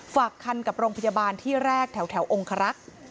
ฝากคันกับโรงพยาบาลที่แรกแถวองครักษ์